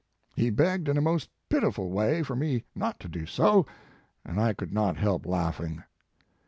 He begged in a most pitiful way for rne not to do so, and I could not help laughing.